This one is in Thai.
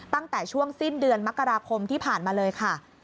ตั้งแต่ช่วงสิ้นเดือนมกราคมที่ผ่านมาเลยค่ะ